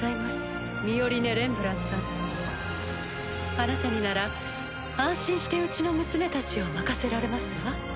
あなたになら安心してうちの娘たちを任せられますわ。